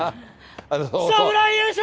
侍優勝！